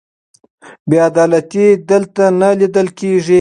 بې عدالتي دلته نه لیدل کېږي.